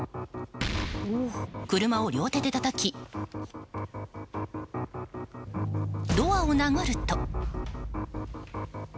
車を両手でたたきドアを殴ると。